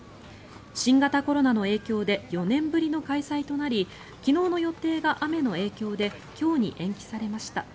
新型コロナの影響で４年ぶりの開催となり昨日の予定が雨の影響で今日に延期されました。